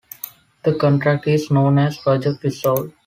The contract is known as Project Resolve.